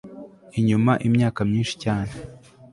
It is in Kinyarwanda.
inyuma imyaka myinshi cyane